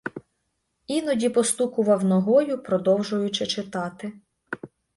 Іноді постукував ногою, продовжуючи читати.